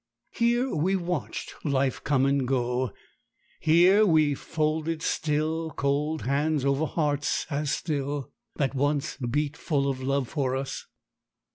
Here we watched life come and go; here we folded still, cold hands over hearts as still, that once beat full of love for us.